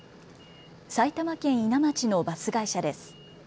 埼玉県伊奈町のバス会社です。